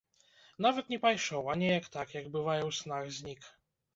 Нават не пайшоў, а неяк так, як бывае ў снах, знік.